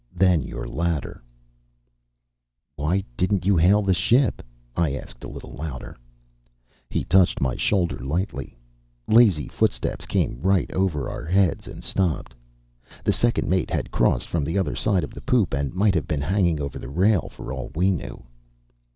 Then your ladder " "Why didn't you hail the ship?" I asked, a little louder. He touched my shoulder lightly. Lazy footsteps came right over our heads and stopped. The second mate had crossed from the other side of the poop and might have been hanging over the rail for all we knew.